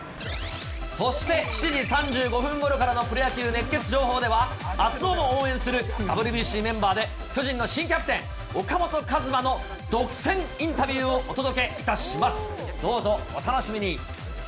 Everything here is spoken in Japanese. そして７時３５分ごろからのプロ野球熱ケツ情報では、熱男も応援するＷＢＣメンバーで巨人の新キャプテン、岡本和真の独占インタビューをお届けいたします。